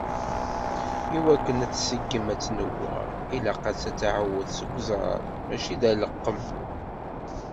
Iwakken ad tseggem, ad tnewweṛ, ilaq-as uɛawed seg uẓar, mačči d aleqqem.